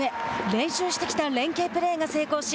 練習してきた連係プレーが成功し